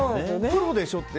プロでしょって。